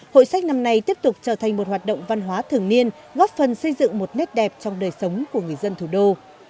hội sách năm nay tiếp tục trở thành một hoạt động văn hóa thường niên góp phần xây dựng một nét đẹp trong đời sống của người dân thủ đô